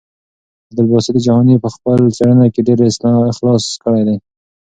عبدالباسط جهاني په خپله څېړنه کې ډېر اخلاص کړی دی.